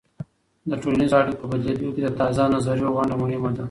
د ټولنیزو اړیکو په بدلیدو کې د تازه نظریو ونډه مهمه ده.